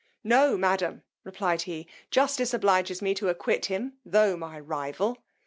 No, madam, replied he, justice obliges me to acquit him, tho' my rival.